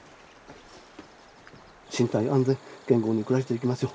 身体安全健康に暮らしていけますよう。